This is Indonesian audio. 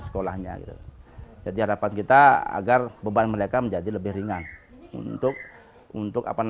diwoana untuk penyelidikan dari desa paksebali masih secara sanctimonial